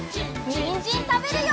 にんじんたべるよ！